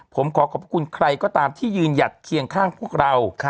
ผมขอขอบคุณใครก็ตามที่ยืนหยัดเคียงข้างพวกเรา